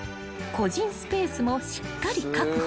［個人スペースもしっかり確保］